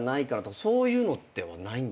そういうのってないんですか？